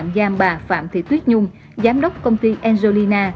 công an đã bắt tạm giam bà phạm thị tuyết nhung giám đốc công ty angelina